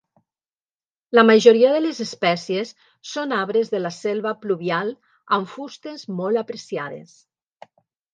La majoria de les espècies són arbres de la selva pluvial amb fustes molt apreciades.